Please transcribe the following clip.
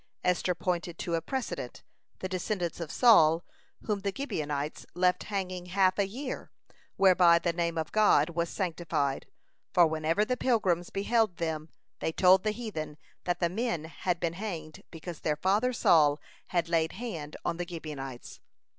Esther pointed to a precedent, the descendants of Saul, whom the Gibeonites left hanging half a year, whereby the name of God was sanctified, for whenever the pilgrims beheld them, they told the heathen, that the men had been hanged because their father Saul had laid hand on the Gibeonites.